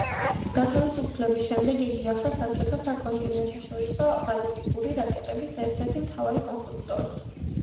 გათავისუფლების შემდეგ იგი გახდა საბჭოთა საკონტინენტთაშორისო ბალისტიკური რაკეტების ერთ-ერთი მთავარი კონსტრუქტორი.